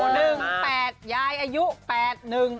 อ๋อนึ่งปลาแปดยายอายุแปดนึง